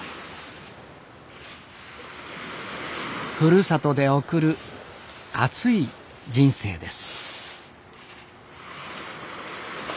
ふるさとで送る熱い人生です。